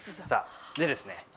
さあでですね